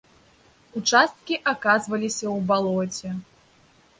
Участкі аказваліся ў балоце.